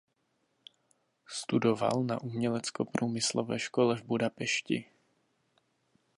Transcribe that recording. Studoval na Uměleckoprůmyslové škole v Budapešti.